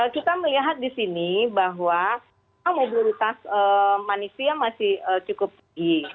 kita melihat di sini bahwa mobilitas manusia masih cukup tinggi